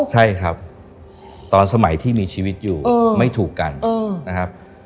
ใช่ครับตอนสมัยที่มีชีวิตอยู่ไม่ถูกกันนะครับ